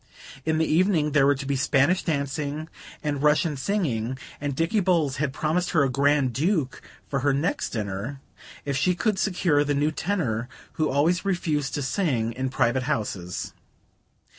In the evening there were to be Spanish dancing and Russian singing; and Dicky Bowles had promised her a Grand Duke for her next dinner, if she could secure the new tenor who always refused to sing in private houses.